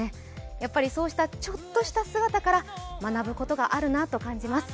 やっぱりそうしたちょっとした姿から学ぶことがあるなと感じます。